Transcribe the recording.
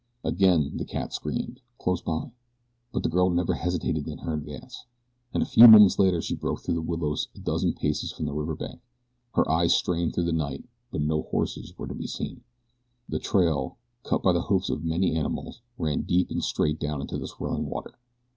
Again the cat screamed close by but the girl never hesitated in her advance, and a few moments later she broke through the willows a dozen paces from the river bank. Her eyes strained through the night; but no horses were to be seen. The trail, cut by the hoofs of many animals, ran deep and straight down into the swirling water.